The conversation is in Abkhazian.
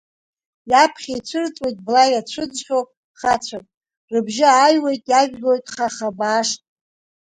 Иаԥхьа ицәырҵуеит бла иацәыӡхьоу хацәак, рыбжьы ааҩуеит иажәлоит хаха баашк.